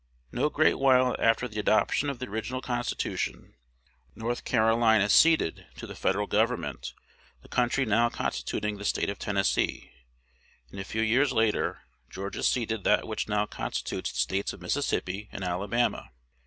No great while after the adoption of the original Constitution, North Carolina ceded to the Federal Government the country now constituting the State of Tennessee; and a few years later Georgia ceded that which now constitutes the States of Mississippi and Alabama.